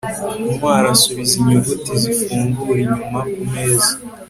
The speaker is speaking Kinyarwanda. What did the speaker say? ntwali asubiza inyuguti zifungura inyuma kumeza